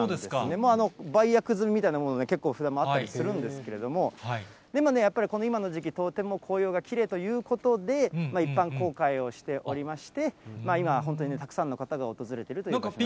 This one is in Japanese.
もう売約済みみたいなものが、結構札があったりするんですけれども、でもね、やっぱり今この時期、とても紅葉がきれいということで、一般公開をしておりまして、今は本当にたくさんの方が訪れているという形なんですね。